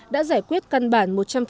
đã giải quyết căn bản một trăm linh